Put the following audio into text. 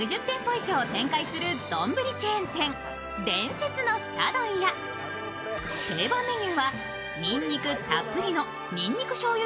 以上展開する伝説のすた丼屋、定番メニューはにんにくたっぷりのにんにくしょうゆ